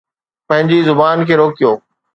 پنهنجي زبان کي روڪيو